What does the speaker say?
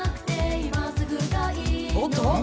おっと？